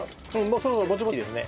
そろそろぼちぼちいいですね。